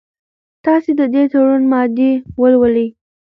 تاسي د دې تړون مادې ولولئ.